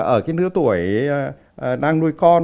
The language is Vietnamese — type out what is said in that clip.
ở cái nửa tuổi đang nuôi con